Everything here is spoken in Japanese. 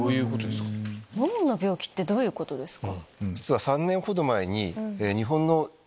脳の病気ってどういうことですか？